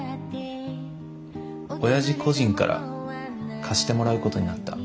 親父個人から貸してもらうことになった。